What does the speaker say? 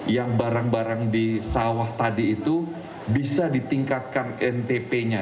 yang barang barang di sawah tadi itu bisa ditingkatkan ntp nya